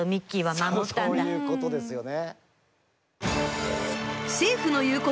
そういうことですよね。